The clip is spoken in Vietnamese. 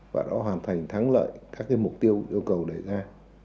và đã hoàn thành thắng lợi các mục tiêu yêu cầu đề ra